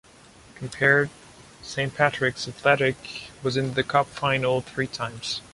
Compared, St Patrick's Athletic was in the cup final three times.